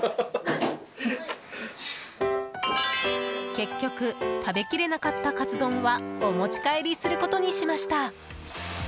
結局食べきれなかったカツ丼はお持ち帰りすることにしました。